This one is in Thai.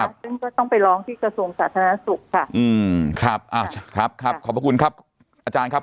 ซึ่งก็ต้องไปร้องที่กระทรวงสาธารณสุขค่ะขอบคุณครับอาจารย์ครับ